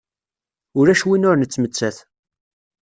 Ulac win ur nettmettat.